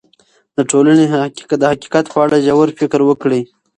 د ټولنې د حقیقت په اړه ژور فکر وکړئ.